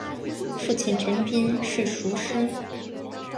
父亲陈彬是塾师。